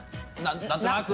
なんとなく？